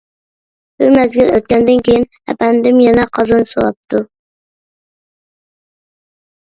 بىر مەزگىل ئۆتكەندىن كېيىن ئەپەندىم يەنە قازان سوراپتۇ.